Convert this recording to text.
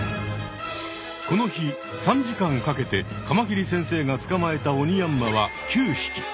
この日３時間かけてカマキリ先生がつかまえたオニヤンマは９ひき。